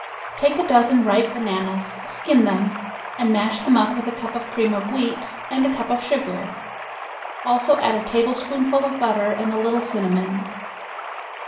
Take a dozen ripe bananas, skin them, and mash them up with a cup of cream of wheat and a cup of sugar; also add a tablespoonful of butter and a little cinnamon.